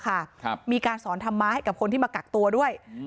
ครับมีการสอนธรรมะให้กับคนที่มากักตัวด้วยอืม